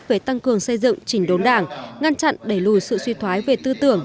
về tăng cường xây dựng chỉnh đốn đảng ngăn chặn đẩy lùi sự suy thoái về tư tưởng